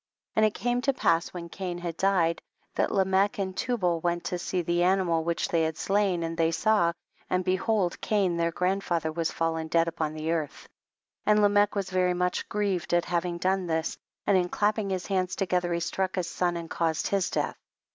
30. And it came to pass when Cain had died, that Lamech and Tu bal went to see tlie animal which they had slain, and they saw, and be hold Cain their grandfather was fal len dead upon the earth. 31. And Lamech was very much grieved at having done this, and in clapping his hands together he struck his son and caused his death.